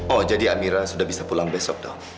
oh jadi amira sudah bisa pulang besok dong